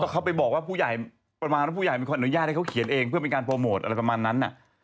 เขาไปบอกว่าผู้ใหญ่ประมาณว่าผู้ใหญ่เป็นคนอนุญาตให้เขาเขียนเองเพื่อเป็นการโปรโมทอะไรประมาณนั้น